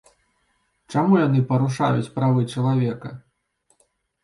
Чаму яны парушаюць правы чалавека?